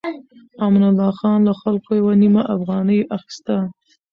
امان الله خان له خلکو يوه نيمه افغانۍ اخيسته.